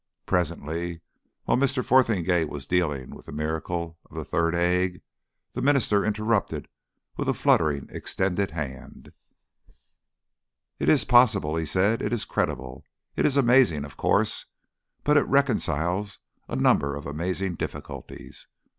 Presently, while Mr. Fotheringay was dealing with the miracle of the third egg, the minister interrupted with a fluttering extended hand "It is possible," he said. "It is credible. It is amazing, of course, but it reconciles a number of amazing difficulties.